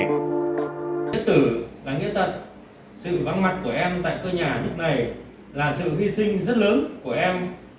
nghĩa tử là nghĩa tật sự vắng mặt của em tại cơ nhà nước này là sự hy sinh rất lớn của em